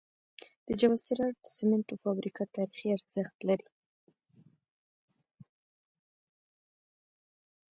د جبل السراج د سمنټو فابریکه تاریخي ارزښت لري.